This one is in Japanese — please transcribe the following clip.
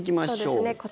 そうですね。